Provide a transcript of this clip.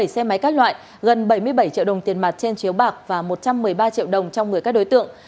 bảy xe máy các loại gần bảy mươi bảy triệu đồng tiền mặt trên chiếu bạc và một trăm một mươi ba triệu đồng trong người các đối tượng